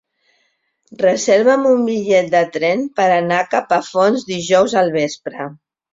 Reserva'm un bitllet de tren per anar a Capafonts dijous al vespre.